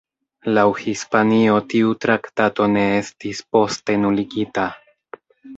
Laŭ Hispanio tiu traktato ne estis poste nuligita.